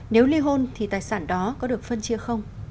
nếu ly hôn thì tài sản đó có được phân chia không